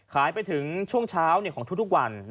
ขายไปถึงช่วงเช้าของทุกวัน